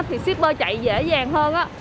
thì shipper chạy dễ dàng hơn á